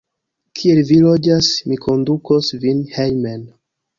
Kie vi loĝas? Mi kondukos vin hejmen.